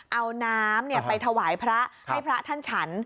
เอาน้ำไปถวายพระให้พระท่านฉัน